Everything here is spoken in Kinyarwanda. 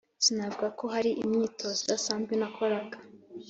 Sinavuga ko hari imyitozo idasanzwe nakoraga,